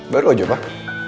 baru aja pak